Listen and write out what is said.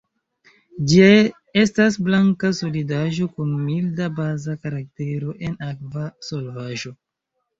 Ĝi estas blanka solidaĵo kun milda baza karaktero en akva solvaĵo.